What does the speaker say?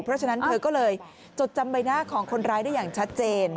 เพราะฉะนั้นเธอก็เลยจดจำใบหน้าของคนร้ายได้อย่างชัดเจน